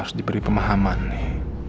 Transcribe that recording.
terus diberi pemahaman nih